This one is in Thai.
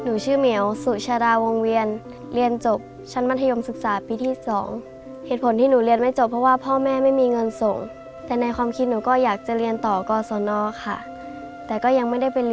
หนูชื่อเหมียวสุฬาวงเวียนเรียนจบชั้นมัธยมศึกษาปฏิบัติที่๒ปีที่๒ปม